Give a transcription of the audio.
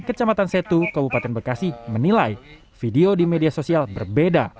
kecamatan setu kabupaten bekasi menilai video di media sosial berbeda